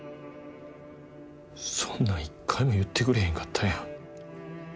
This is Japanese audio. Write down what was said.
そんなん一回も言ってくれへんかったやん。